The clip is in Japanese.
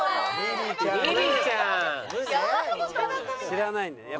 知らないんだね。